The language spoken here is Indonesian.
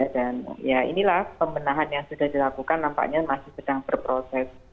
dan inilah pembenahan yang sudah dilakukan nampaknya masih sedang berproses